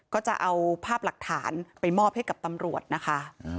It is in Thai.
ก็จะเอาภาพหลักฐานไปมอบให้กับตำรวจนะคะ